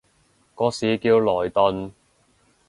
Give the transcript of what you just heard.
個市叫萊頓